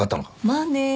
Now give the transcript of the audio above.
まあね。